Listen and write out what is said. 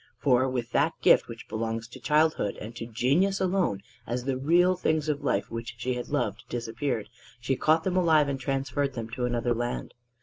For with that gift which belongs to childhood and to genius alone, as the real things of life which she had loved disappeared, she caught them alive and transferred them to another land.